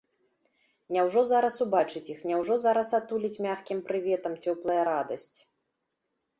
Няўжо зараз убачыць іх, няўжо зараз атуліць мяккім прыветам цёплая радасць?